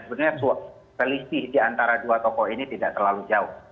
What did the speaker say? sebenarnya selisih di antara dua tokoh ini tidak terlalu jauh